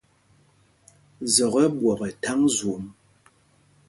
Zɔk ɛ ɓwɔ̂k ɛ tháŋ zwôm.